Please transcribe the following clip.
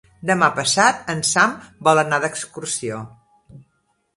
Demà passat en Sam vol anar d'excursió.